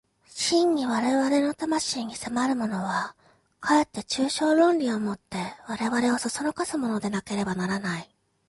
真に我々の魂に迫るものは、かえって抽象論理を以て我々を唆すものでなければならない。